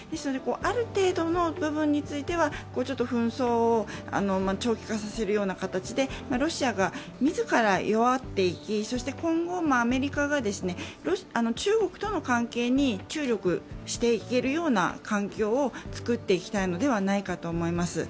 ある程度の部分については紛争を長期化させるような形でロシアが自ら弱っていき、そして今後、アメリカが中国との関係に注力していけるような環境を作っていきたいのではないかと思います。